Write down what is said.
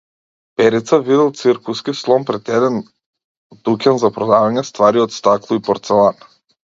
Перица видел циркуски слон пред еден дуќан за продавање ствари од стакло и порцелан.